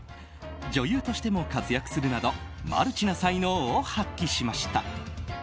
女優としても活躍するなどマルチな才能を発揮しました。